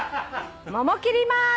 桃切りまーす。